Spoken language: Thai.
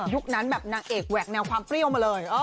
นั้นแบบนางเอกแหวกแนวความเปรี้ยวมาเลย